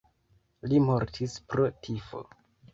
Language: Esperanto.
Li mortis pro tifo.